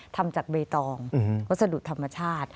ทำจากใบตองวัสดุธรรมชาติ